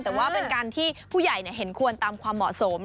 แต่ว่าเป็นการที่ผู้ใหญ่เห็นควรตามความเหมาะสม